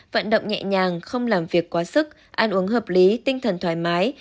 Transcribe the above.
vận động nhẹ nhàng không làm việc quá sức ăn uống hợp lý tinh thần thoải mái